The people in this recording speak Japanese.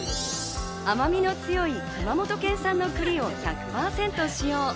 甘みの強い熊本県産の栗を１００％使用。